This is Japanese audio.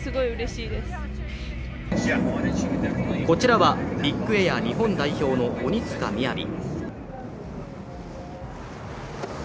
こちらはビッグエア日本代表の鬼塚雅。